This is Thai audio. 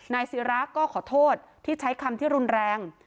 ศิราก็ขอโทษที่ใช้คำที่รุนแรง